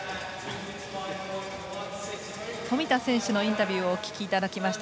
富田選手のインタビューをお聞きいただきました。